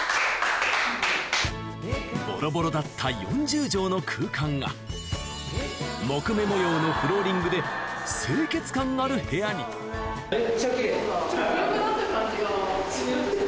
ボロボロだった４０帖の空間が木目模様のフローリングで清潔感ある部屋にめっちゃ奇麗。